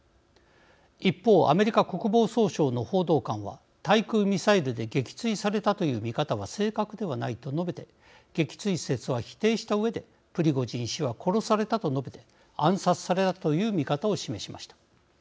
一方、アメリカ国防総省の報道官は対空ミサイルで撃墜されたという見方は正確ではないと述べて撃墜説は否定したうえでプリゴジン氏は殺されたと述べて暗殺されたという見方を示しました。